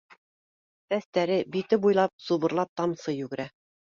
Сәстәре, бите буй лап субырлап тамсы йүгерә